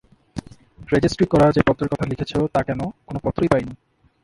রেজেষ্ট্রি-করা যে পত্রের কথা লিখেছ, তা কেন, কোন পত্রই পাইনি।